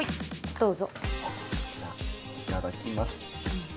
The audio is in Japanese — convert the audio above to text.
どうぞじゃいただきます